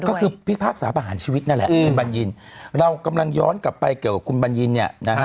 ก็คือพิพากษาประหารชีวิตนั่นแหละคุณบัญญินเรากำลังย้อนกลับไปเกี่ยวกับคุณบัญญินเนี่ยนะฮะ